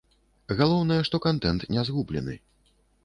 Галоўнае, што кантэнт не згублены.